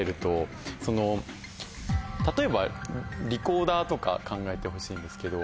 例えばリコーダーとか考えてほしいんですけど。